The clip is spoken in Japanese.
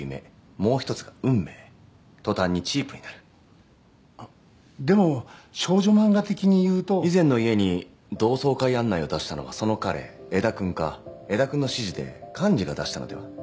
もう一つが「運命」途端にチープになるでも少女漫画的に言うと以前の家に同窓会案内を出したのはその彼江田君か江田君の指示で幹事が出したのでは？